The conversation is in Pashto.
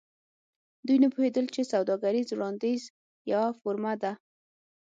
دوی نه پوهیدل چې سوداګریز وړاندیز یوه فورمه ده